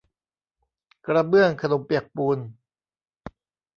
กระเบื้องขนมเปียกปูน